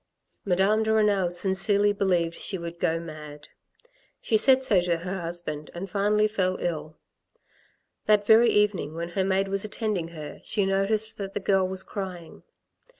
Madame de Renal sincerely believed she would go mad. She said so to her husband and finally fell ill. That very evening when her maid was attending her, she noticed that the girl was crying.